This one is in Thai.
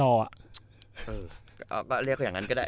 เรียกเขาอย่างนั้นก็ได้